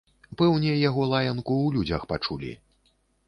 Пэўне яго лаянку ў людзях пачулі.